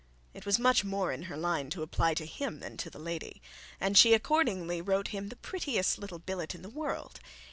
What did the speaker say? It was much more in her line to apply to him than to the lady, and she accordingly wrote to him the prettiest little billet in the world.